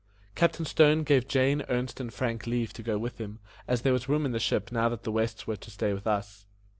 Captain Stone gave Jane, Ernest, and Frank leave to go with him, as there was room in the ship now that the Wests were to stay with us.